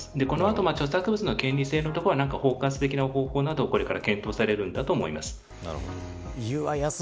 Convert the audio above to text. この後、著作物の権利性のところは包括的な方向などをこれから検討されると思います。